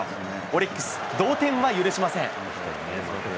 オリックス、同点は許しません。